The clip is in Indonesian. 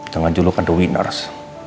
dengan julukan the winners